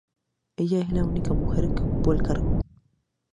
Ella es la única mujer que ocupó el cargo.